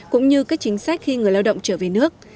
cũng như các chính sách khi người lao động trở về nước